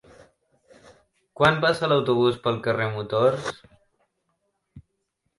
Quan passa l'autobús pel carrer Motors?